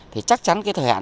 thì chắc chắn cái thời hạn